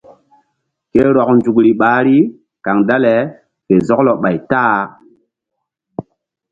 Ke rɔk nzukri ɓahri kaŋ dale fe zɔklɔ ɓay ta-a.